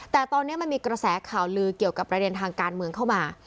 แต่ตอนนี้มันมีกระแสข่าวลือเกี่ยวกับประเด็นทางการเมืองเข้ามา